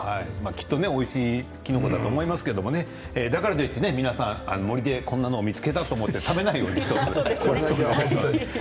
おいしいきのこだと思いますけれどだからといって皆さん森でこんなものを見つけたと思って、食べないように１つお願いします。